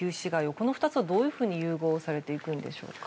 この２つはどういうふうに融合されていくんでしょうか。